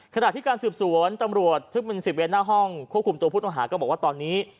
ขณะที่การสืบสวนตำรวจทึบมิน๑๐เวนหน้าห้องควบคุมตัวผู้ต้องหาก็บอกว่าตอนนี้